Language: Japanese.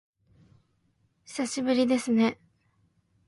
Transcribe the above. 久しぶりですね